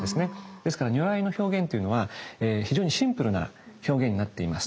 ですから如来の表現っていうのは非常にシンプルな表現になっています。